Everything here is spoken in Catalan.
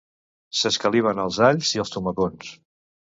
S'escaliven els alls i els tomacons